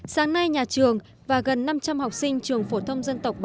sáng nay nhà trường và gần năm trăm linh học sinh trường phổ thông dân tộc